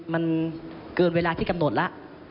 มันเกินเวลาที่กำหนดแล้ว